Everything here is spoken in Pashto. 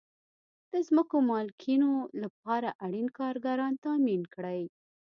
د ځمکو مالکینو لپاره اړین کارګران تامین کړئ.